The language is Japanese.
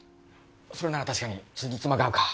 それなら確かにつじつまが合うか